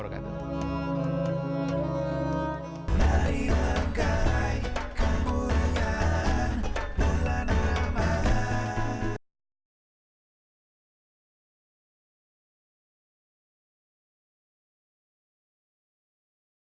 assalamualaikum wr wb